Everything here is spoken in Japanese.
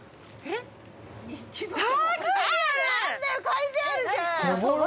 書いてあるじゃん！